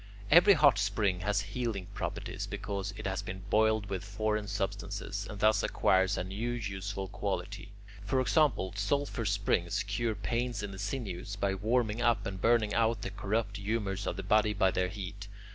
Every hot spring has healing properties because it has been boiled with foreign substances, and thus acquires a new useful quality. For example, sulphur springs cure pains in the sinews, by warming up and burning out the corrupt humours of the body by their heat.